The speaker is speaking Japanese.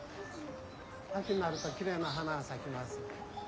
秋になるときれいな花が咲きます。